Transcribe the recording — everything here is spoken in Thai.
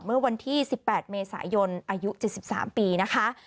เมื่อวันที่๑๘เมษายนอายุ๗๓ปีนะคะ